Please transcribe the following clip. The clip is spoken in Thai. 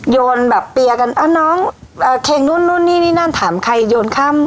โยนแบบเปียกันอะน้องเอ่อเครงนู่นนู่นนี่นี่นั่นถามใครโยนข้าม